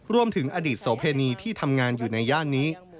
รวมถึงอดีตโสเพณีที่ทำงานอยู่ในย่านนี้